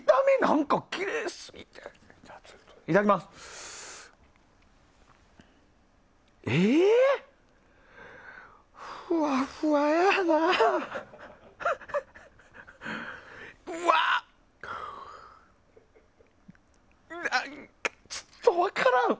何かちょっと分からん。